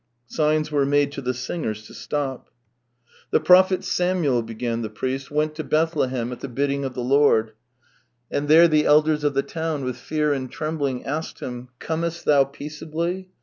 Signs were made to the singers to stop. " The prophet Samuel," began the priest, " went to Bethlehem at the bidding of the Lord, and there the elders of the town with fear and trembling asked him: ' Comest thou peaceably?'